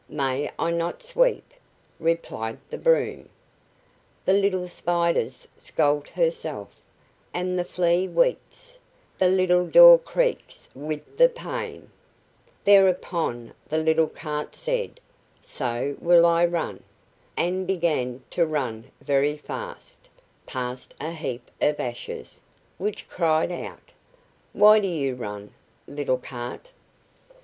"May I not sweep?" replied the broom: "The little Spider's scalt herself, And the Flea weeps; The little door creaks with the pain," Thereupon the little cart said: "So will I run," and began to run very fast, past a heap of ashes, which cried out: "Why do you run, little cart?"